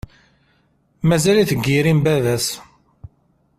Mazal-it deg yiri n baba-s.